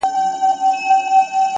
ستا سومه.چي ستا سومه.چي ستا سومه.